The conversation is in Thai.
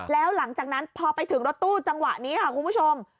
แล้วหลังจากนั้นพอไปถึงรถตู้จังหวะนี้ค่ะคุณผู้ชม